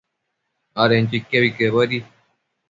adenquio iquebi quebuedi